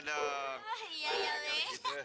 kasih kasih mbak